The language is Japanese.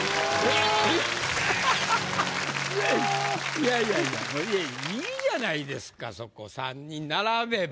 ハハハハいやいやいや。いいじゃないですかそこ３人並べば。